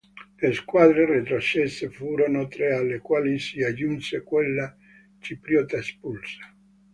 Le squadre retrocesse furono tre alle quali si aggiunse quella cipriota espulsa.